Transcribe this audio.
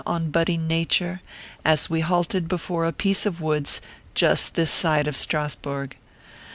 on budding Nature, as we halted before a piece of woods just this side of Strasburg.